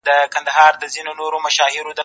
زه اوبه پاکې کړې دي؟